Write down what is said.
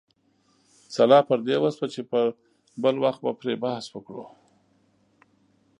سلا پر دې وشوه چې بل وخت به پرې بحث وکړو.